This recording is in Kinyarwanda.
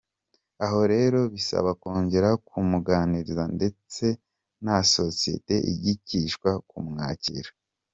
Aho rero bisaba kongera kumuganiriza ndetse na sosiyete ikigishwa kumwakira.